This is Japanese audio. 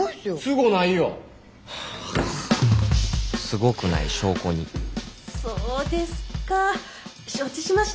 すごくない証拠にそうですか承知しました